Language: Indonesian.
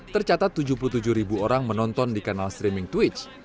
tercatat tujuh puluh tujuh ribu orang menonton di kanal streaming twitch